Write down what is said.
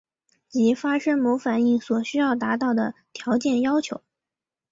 即发生某反应所需要达到的条件要求。